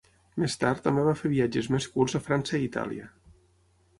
Més tard, també va fer viatges més curts a França i Itàlia.